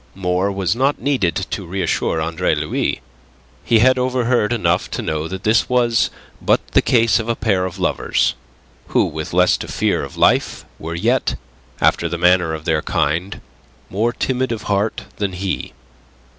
More was not needed to reassure Andre Louis. He had overheard enough to know that this was but the case of a pair of lovers who, with less to fear of life, were yet after the manner of their kind more timid of heart than he.